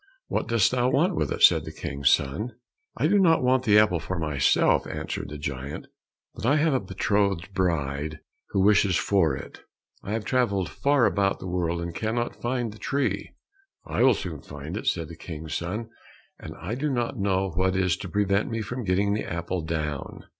"What dost thou want with it?" said the King's son. "I do not want the apple for myself," answered the giant, "but I have a betrothed bride who wishes for it. I have travelled far about the world and cannot find the tree." "I will soon find it," said the King's son, "and I do not know what is to prevent me from getting the apple down."